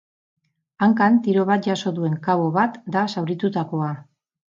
Hankan tiro bat jaso duen kabo bat da zauritutakoa.